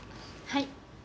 はい。